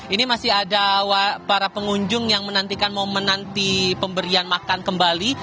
ini masih ada para pengunjung yang menantikan momen nanti pemberian makan kembali